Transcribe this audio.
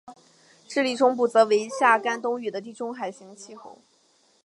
智利中部则为夏干冬雨的地中海型气候。